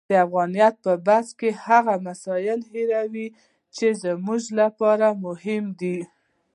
د افغانیت پر بحث کې هغه مسایل هیروو چې زموږ لپاره مهم دي.